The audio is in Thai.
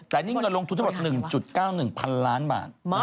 แต่นี่เงินลงทุนทั้งหมด๑๙๑๐๐๐ล้านบาท